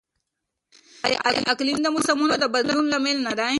آیا اقلیم د موسمونو د بدلون لامل نه دی؟